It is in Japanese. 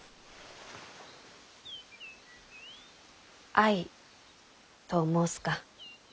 愛と申すか。